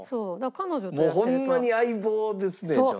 もうホンマに相棒ですねじゃあ。